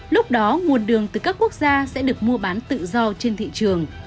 lúc đó nguồn đường từ các quốc gia sẽ được mua bán tự do trên thị trường